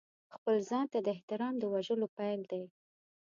خپل ځان ته د احترام د وژلو پیل دی.